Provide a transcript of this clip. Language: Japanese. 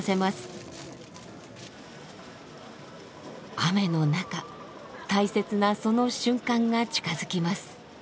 雨の中大切なその瞬間が近づきます。